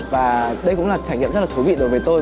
và đây cũng là trải nghiệm rất là thú vị đối với tôi